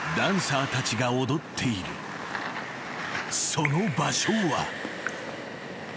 ［その場所は］